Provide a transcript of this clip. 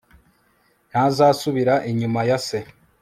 ntazasubira inyuma ya se